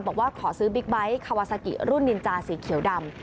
บอกว่าขอซื้อบิ๊กไบท์คาวาซากิรุ่นนินจาสีเขียวดำ